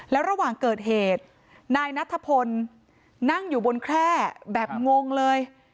แล้วระหว่างเกิดเหตุนายนัทพลนั่งอยู่บนแคร่แบบงงเลย